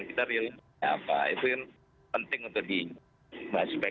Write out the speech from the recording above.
itu penting untuk